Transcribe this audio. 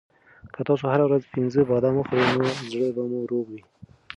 که تاسو هره ورځ پنځه بادام وخورئ نو زړه به مو روغ وي.